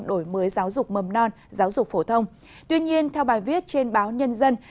đổi mới giáo dục mầm non giáo dục phổ thông tuy nhiên theo bài viết trên báo nhân dân